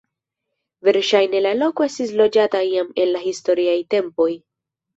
Verŝajne la loko estis loĝata jam en la historiaj tempoj.